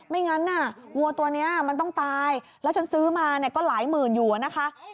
งั้นวัวตัวนี้มันต้องตายแล้วฉันซื้อมาเนี่ยก็หลายหมื่นอยู่นะคะ